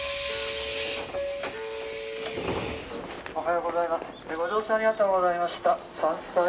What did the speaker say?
「おはようございます」。